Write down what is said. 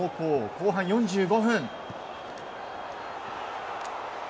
後半４５分。